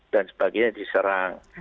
dan sebagainya diserang